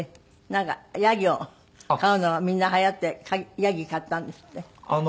なんかヤギを飼うのがみんな流行ってヤギ飼ったんですって？